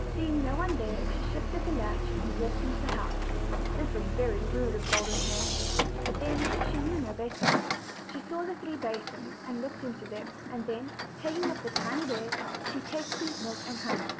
Seeing no one there she lifted the latch and walked into the house. This was very rude of Golden Hair; but then she knew no bettor. She saw the three basins, and looked into them, and then, taking up the tiny bear's, she tasted his milk and OLD, OLD FAIRT TALES. honey.